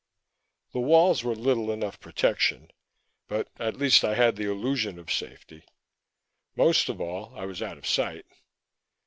The walls were little enough protection, but at least I had the illusion of safety. Most of all, I was out of sight.